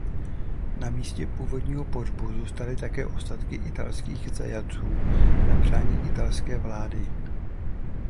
Na místě původního pohřbu zůstaly také ostatky italských zajatců na přání Italské vlády.